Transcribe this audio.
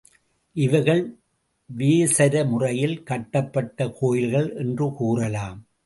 இவைகள் வேசர முறையில் கட்டப்பட்ட கோயில்கள் என்று கூறலாம்.